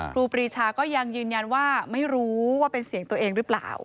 ครูปรีชาก็ยังยืนยันว่าไม่รู้ว่าเป็นเสียงตัวเองหรือเปล่า